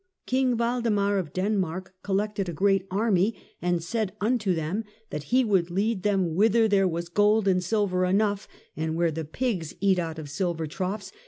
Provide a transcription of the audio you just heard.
" King Waldemar of Denmark col lected a great army, and said unto them that he would lead them whither there was gold and silver enough, and where the pigs eat out of silver troughs.